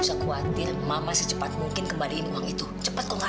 sampai jumpa di video selanjutnya